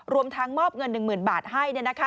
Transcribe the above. รวมทั้งมอบเงิน๑๐๐๐บาทให้